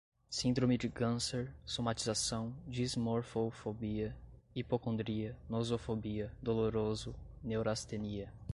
síndrome de ganser, somatização, dismorfofobia, hipocondria, nosofobia, doloroso, neurastenia